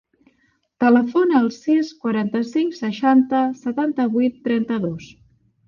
Telefona al sis, quaranta-cinc, seixanta, setanta-vuit, trenta-dos.